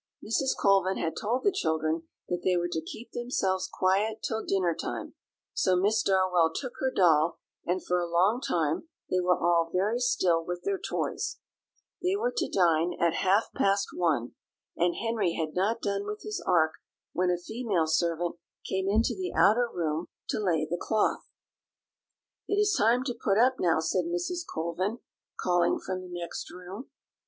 Mrs. Colvin had told the children that they were to keep themselves quiet till dinner time; so Miss Darwell took her doll, and for a long time they were all very still with their toys: they were to dine at half past one, and Henry had not done with his ark when a female servant came into the outer room to lay the cloth. [Illustration: "For a long time they all very still with their toys." Page 389.] "It is time to put up now," said Mrs. Colvin, calling from the next room.